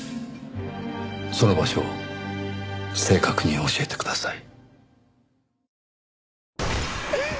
その場所を正確に教えてください。